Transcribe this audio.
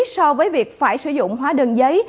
so với việc phải sử dụng hóa đơn giấy